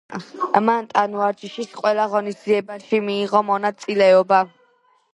მან ტანვარჯიშის ყველა ღონისძიებაში მიიღო მონაწილეობა.